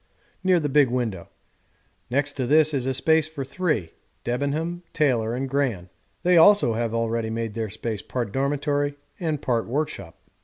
near the big window; next to this is a space for three Debenham, Taylor, and Gran; they also have already made their space part dormitory and part workshop.